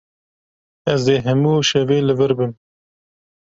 Ez ê hemû şevê li vir bim.